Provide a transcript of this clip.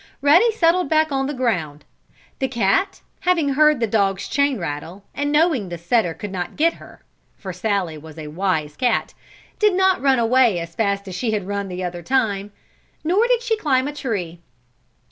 Ruddy settled back on the ground. The cat having heard the dog's chain rattle, and knowing the setter could not get her (for Sallie was a wise cat) did not run away as fast as she had run the other time. Nor did she climb a tree.